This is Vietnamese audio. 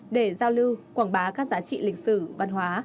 để giao lưu quảng bá các giá trị lịch sử văn hóa